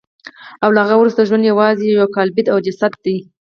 له هغه وروسته ژوند یوازې یو کالبد او جسد دی